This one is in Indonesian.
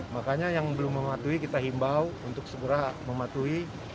makanya yang belum mematuhi kita himbau untuk segera mematuhi